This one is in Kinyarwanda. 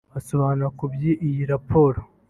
Asobanura ku by’iyi raporo